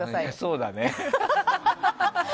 そうだね。